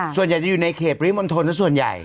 ส่วนใหญ่จะอยู่ในเขตปริมณฑลส่วนใหญ่